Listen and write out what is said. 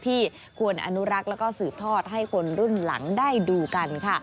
ที่ควรอนุรักษ์แล้วก็สืบทอดให้คนรุ่นหลังได้ดูกันค่ะ